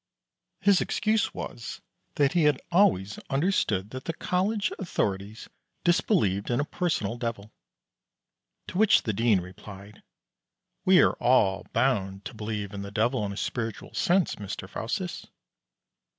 His excuse was that he had always understood that the College authorities disbelieved in a personal devil. To which the Dean replied: "We are all bound to believe in the Devil in a spiritual sense, Mr Faustus."